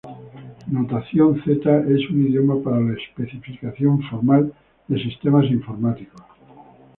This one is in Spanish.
Notación Z es un idioma para la especificación formal de sistemas informáticos.